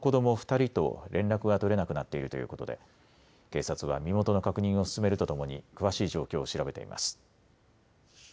２人と連絡が取れなくなっているということで警察は身元の確認を進めるとともに詳しい状況を調べています。